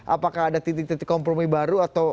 apakah ada titik titik kompromi bahwa kita bisa mencari